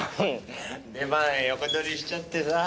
出番横取りしちゃってさぁ。